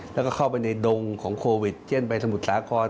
แล้วก็เข้าไปในดงของโควิดเช่นไปสมุทรสาคร